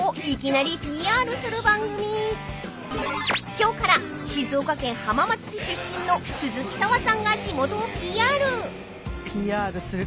［今日から静岡県浜松市出身の鈴木砂羽さんが地元をＰＲ］